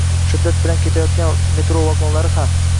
Shiddat bilan ketayotgan metro vagonlari ham